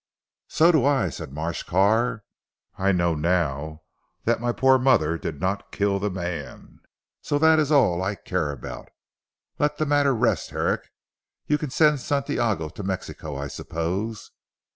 "So do I," said Marsh Carr, "I know now that my poor mother did not kill the man, so that is all I care about. Let the matter rest Herrick. You can send Santiago to Mexico I suppose?"